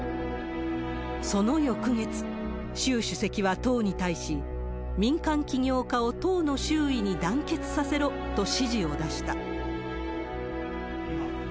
その翌月、周主席は党に対し、民間企業家を党の周囲に団結させろと指示を出した。